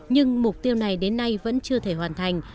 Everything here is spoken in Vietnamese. nhưng điều này đến nay vẫn chưa thể hoàn thành